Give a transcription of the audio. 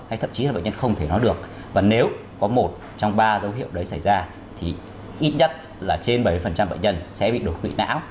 hay thậm chí là bệnh nhân không thể nói được và nếu có một trong ba dấu hiệu đấy xảy ra thì ít nhất là trên bảy mươi bệnh nhân sẽ bị đột quỵ não